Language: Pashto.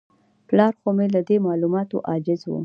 پلار خو مې له دې معلوماتو عاجز و.